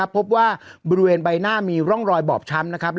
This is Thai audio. พบบริเวณใบหน้ามีร่องรอยบอบชั้ม